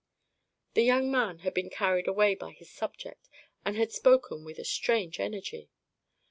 The young man had been carried away by his subject, and had spoken with a strange energy.